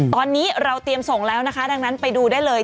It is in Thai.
ตอนนี้เราเตรียมส่งแล้วนะคะดังนั้นไปดูได้เลย